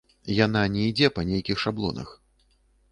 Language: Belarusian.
Яна не ідзе па нейкіх шаблонах.